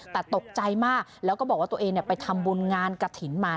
แต่ตกใจมากแล้วก็บอกว่าตัวเองไปทำบุญงานกระถิ่นมา